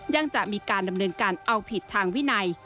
ยังจะมีการดำเนินการเอาผิดทางวินัย